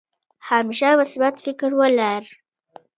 همېشه مثبت فکر ولره